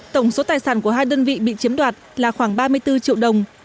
tổng số tài sản của hai đơn vị bị chiếm đoạt là khoảng ba mươi bốn triệu đồng